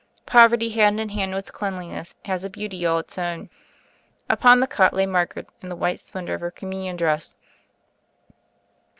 Poverty, hand in hand with cleanliness, has a beauty all its own. Upon the cot lay Margaret, in the white splendor of her Communion dress.